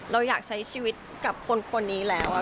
เราอยากใช้ชีวิตกับคนนี้แล้ว